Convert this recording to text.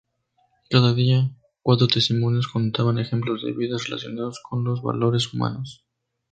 Cada día, cuatro testimonios contaban ejemplos de vidas relacionados con los valores humanos.